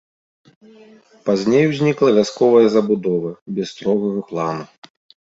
Пазней узнікла вясковая забудова без строгага плану.